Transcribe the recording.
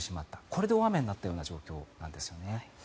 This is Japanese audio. これで大雨になったような状況なんですよね。